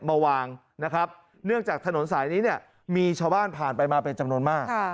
มาวางนะครับเนื่องจากถนนสายนี้เนี่ยมีชาวบ้านผ่านไปมาเป็นจำนวนมาก